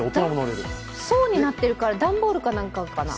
層になってるから段ボールかなんかかな。